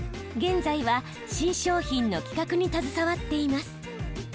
現在は新商品の企画に携わっています。